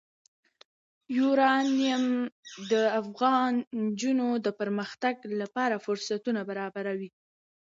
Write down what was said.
یورانیم د افغان نجونو د پرمختګ لپاره فرصتونه برابروي.